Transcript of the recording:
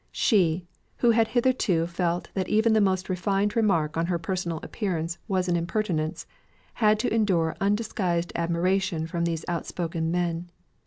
She, who had hitherto felt that even the most refined remark on her personal appearance was an impertinence, had to endure undisguised admiration from these outspoken men.